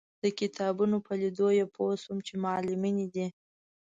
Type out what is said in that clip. د کتابونو په لیدو پوی شوم چې معلمینې دي.